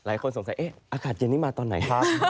หลายคนสงสัยอากาศเย็นนี้มาตอนไหนคะ